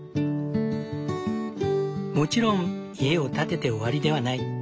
もちろん家を建てて終わりではない。